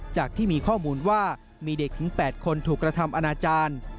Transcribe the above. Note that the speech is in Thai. จากที่มีข้อมูลว่ามีเด็กถึง๘คนถูกกระทำอนาจารย์